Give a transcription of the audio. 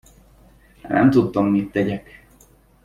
Nem tudtam, mit tegyek.